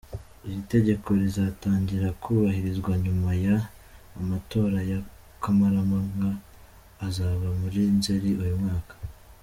Iri tegeko rizatangira kubahirizwa nyuma y’amatora ya kamarampaka azaba muri Nzeri uyu mwaka.